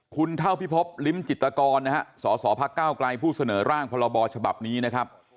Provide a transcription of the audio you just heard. คุณเท่าพิภพลิมจิตกรสศภเก้าไกลผู้เสนอร่างพรบฉบับนี้นะครับ